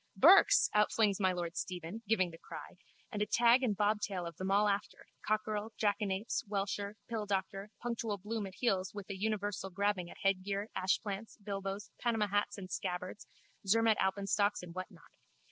Burke's! outflings my lord Stephen, giving the cry, and a tag and bobtail of all them after, cockerel, jackanapes, welsher, pilldoctor, punctual Bloom at heels with a universal grabbing at headgear, ashplants, bilbos, Panama hats and scabbards, Zermatt alpenstocks and what not.